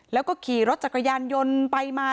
แล้วก็ขี่รถจักรยานยนต์ไปมา